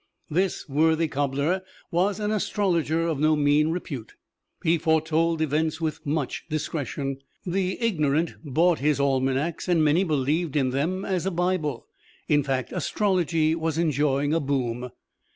This worthy cobbler was an astrologer of no mean repute. He foretold events with much discretion. The ignorant bought his almanacs, and many believed in them as a Bible in fact, astrology was enjoying a "boom."